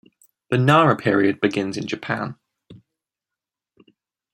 The Nara period begins in Japan.